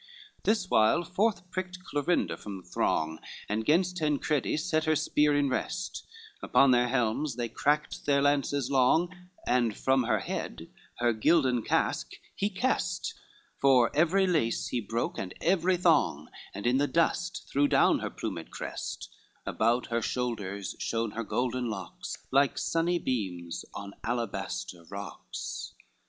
XXI This while forth pricked Clorinda from the throng And 'gainst Tancredi set her spear in rest, Upon their helms they cracked their lances long, And from her head her gilden casque he kest, For every lace he broke and every thong, And in the dust threw down her plumed crest, About her shoulders shone her golden locks, Like sunny beams, on alabaster rocks.